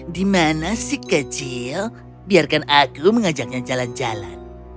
di mana si kecil biarkan aku mengajaknya jalan jalan